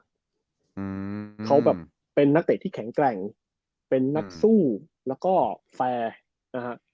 อืมเขาแบบเป็นนักเตะที่แข็งแกร่งเป็นนักสู้แล้วก็แฟร์นะฮะ